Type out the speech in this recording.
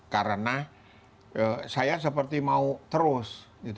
karena saya seperti mau terus